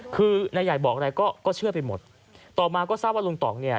คือนายใหญ่บอกอะไรก็ก็เชื่อไปหมดต่อมาก็ทราบว่าลุงต่องเนี่ย